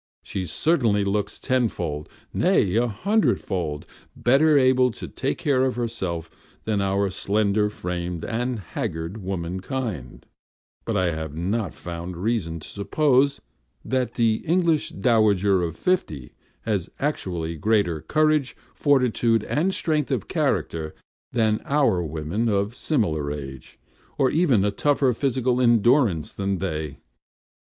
She certainly looks tenfold nay, a hundredfold better able to take care of herself than our slender framed and haggard womankind; but I have not found reason to suppose that the English dowager of fifty has actually greater courage, fortitude, and strength of character than our women of similar age, or even a tougher physical endurance than they.